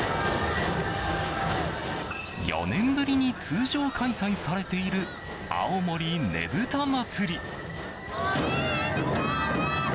４年ぶりに通常開催されている青森ねぶた祭。